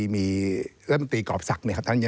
มีรัฐมนตรีกรอบศักดิ์เนี่ยครับท่าน